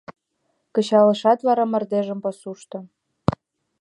Кычалышт вара мардежым пасушто.